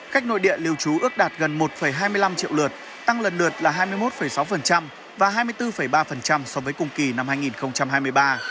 khách nội địa lưu trú ước đạt gần một hai mươi năm triệu lượt tăng lần lượt là hai mươi một sáu và hai mươi bốn ba so với cùng kỳ năm hai nghìn hai mươi ba